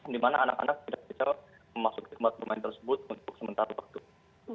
di mana anak anak tidak bisa memasuki tempat bermain tersebut untuk sementara waktu